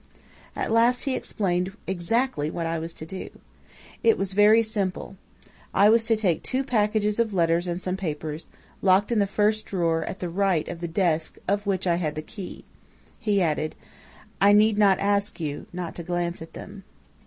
"At last he explained exactly what I was to do. It was very simple. I was to take two packages of letters and some papers, locked in the first drawer at the right of the desk of which I had the key. He added: "'I need not ask you not to glance at them.'